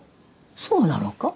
そうなのか？